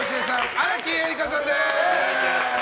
荒木絵里香さんです。